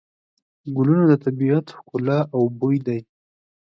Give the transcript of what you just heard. ګلونه د طبیعت ښکلا او بوی دی.